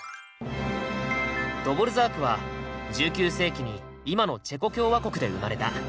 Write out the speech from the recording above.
ドヴォルザークは１９世紀に今のチェコ共和国で生まれた。